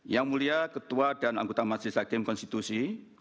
yang mulia ketua dan anggota majelis hakim konstitusi